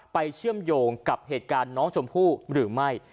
เชื่อมโยงกับเหตุการณ์น้องชมพู่หรือไม่